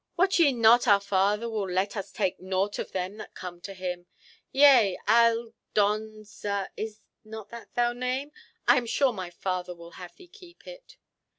Wot ye not our father will let us take nought of them that come to him? Yea, Al don za—is not that thy name?—I am sure my father will have thee keep it."